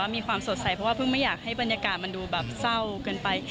มีความสดใสเพราะว่าเพิ่งไม่อยากให้บรรยากาศมันดูแบบเศร้าเกินไป